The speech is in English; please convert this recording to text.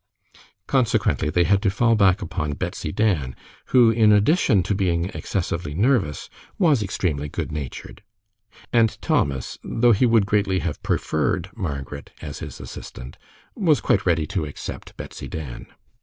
Consequently they had to fall back upon Betsy Dan, who, in addition to being excessively nervous, was extremely good natured. And Thomas, though he would greatly have preferred Margaret as his assistant, was quite ready to accept Betsy Dan.